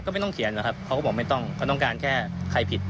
ก็ไม่ต้องเขียนหรอกครับเขาก็บอกไม่ต้องเขาต้องการแค่ใครผิด